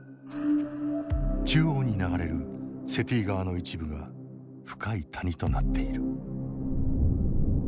中央に流れるセティ川の一部が深い谷となっている。